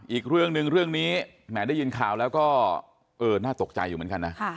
อีกเรื่องหนึ่งเรื่องนี้แหมได้ยินข่าวแล้วก็เออน่าตกใจอยู่เหมือนกันนะ